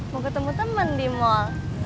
mau ketemu teman di mall